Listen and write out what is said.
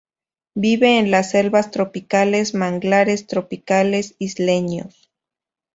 Vive en las selvas tropicales, manglares tropicales isleños.